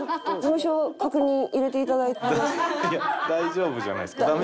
大丈夫じゃないですか？